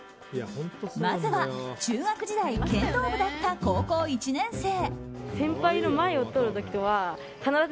まずは中学時代剣道部だった高校１年生。